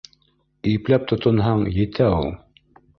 Ипләп тотонһаң, етә ул.